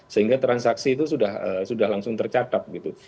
sehingga transaksi itu sudah langsung tercatat gitu